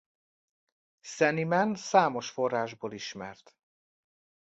Szenimen számos forrásból ismert.